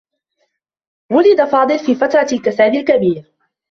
وُلد فاضل في فترة الكساد الكبير.